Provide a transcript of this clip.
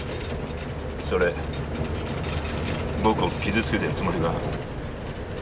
それ僕を傷つけてるつもりか？